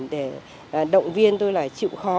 để động viên tôi là chịu khó